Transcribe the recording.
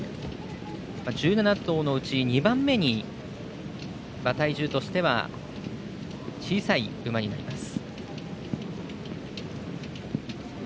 １７頭のうち２番目に馬体重としては小さい馬になります。